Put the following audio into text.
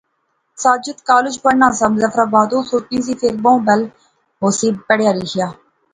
ساجد کالج پڑھنا سا، مظفرآباد، او سوچنی سی، فیر بہوں بل ہوسی پڑھا لیغا